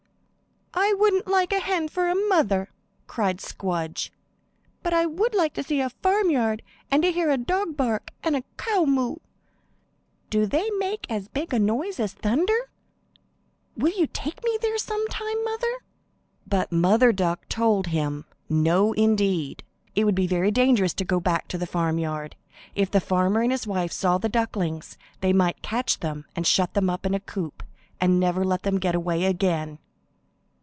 "I wouldn't like a hen for a mother," cried Squdge; "but I would like to see a farmyard, and to hear a dog bark, and a cow moo. Do they make as big a noise as thunder? Will you take me there some time, mother?" But Mother Duck told him, no indeed. It would be very dangerous to go back to the farmyard. If the farmer and his wife saw the ducklings they might catch them and shut them up in a coop, and never let them get away again.